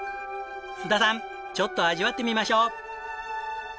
須田さんちょっと味わってみましょう。